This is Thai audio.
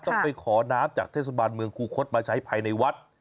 ต้องไปขอน้ำจากเทศบาลเมืองคูคศมาใช้ภายในวัด